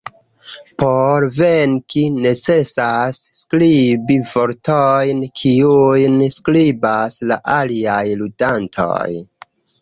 Por venki necesas skribi vortojn, kiujn skribas la aliaj ludantoj.